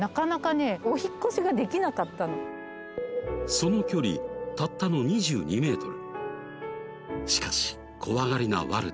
その距離たったの２２メートル